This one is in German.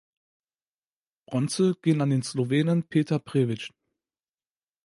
Bronze ging an den Slowenen Peter Prevc.